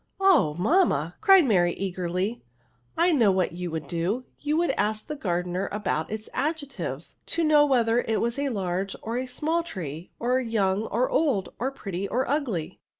" Oh ! mamma/' cried Marj, eagerlj, " I know what you would do; you would ask the gardener about its adjectives, to know whether it was a large or a small tree, or young or old, or pretty or ugly."